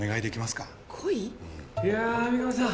いや三神さん。